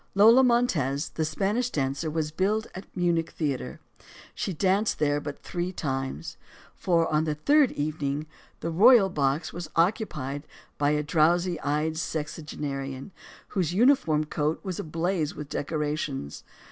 Lola Montez, the Spanish dancer, was billed at a Munich theater. She danced there but three times. For, on the third evening, the royal box was occupied by a drowsy eyed sexagenarian whose uniform coat was ablaze with decorations.